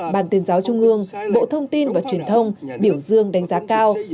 ban tuyên giáo trung ương bộ thông tin và truyền thông biểu dương đánh giá cao